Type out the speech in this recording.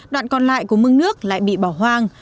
đoạn còn lại của mương nước lại bị bỏ hoang